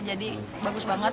jadi bagus banget